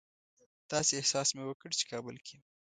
داسې احساس مې وکړ چې کابل کې یم.